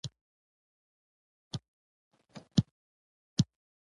د متل فکر او تجربه د کولتور معنوي اړخ دی